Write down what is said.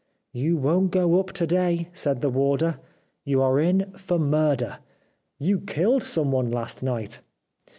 ' You won't go up to day,' said the warder. ' You are in for murder. You killed someone last night